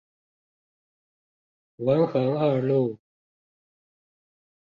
文橫二路